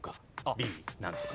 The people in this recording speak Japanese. Ｂ何とか。